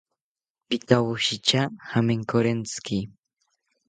Pikawoshitya jamenkorentziki